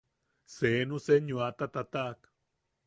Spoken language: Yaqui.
Senu senyoata tataʼak.